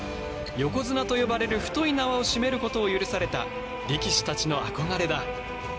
横綱と呼ばれる太い縄を締めることを許された力士たちの憧れだ。